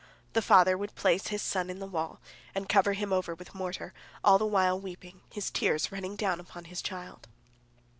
The father would place his son in the wall, and cover him over with mortar, all the while weeping, his tears running down upon his child.